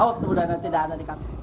oh mudah nanti gak ada di kabur